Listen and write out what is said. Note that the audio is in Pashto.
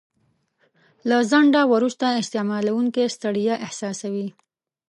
له ځنډه وروسته استعمالوونکی ستړیا احساسوي.